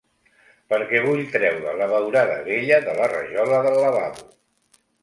Perquè vull treure la beurada vella de la rajola del lavabo.